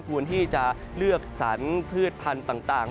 ควรที่จะเลือกสรรพืชพันธุ์ต่าง